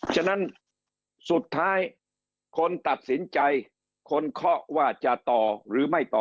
ฉะนั้นสุดท้ายคนตัดสินใจคนเคาะว่าจะต่อหรือไม่ต่อ